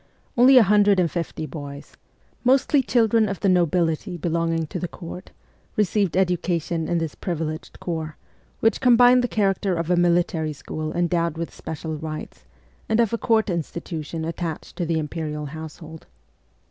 Only a hundred and fifty boys mostly children of the nobility be longing to the court received education in this privileged corps, which combined the character of a military school endowed with special rights and of a court institution attached to the imperial household.